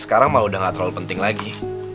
sekarang malah udah gak terlalu penting lagi